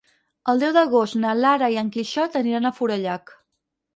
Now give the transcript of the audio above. El deu d'agost na Lara i en Quixot aniran a Forallac.